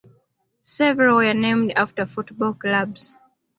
Several were named after football clubs.